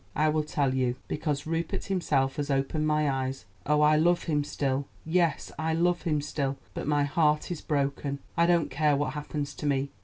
"I will tell you. Because Rupert himself has opened my eyes. Oh, I love him still; yes, I love him still; but my heart is broken. I don't care what happens to me.